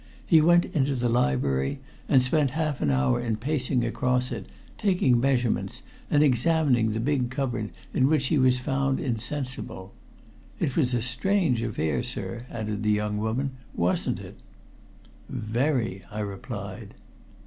He went into the library, and spent half an hour in pacing across it, taking measurements, and examining the big cupboard in which he was found insensible. It was a strange affair, sir," added the young woman, "wasn't it?" "Very," I replied.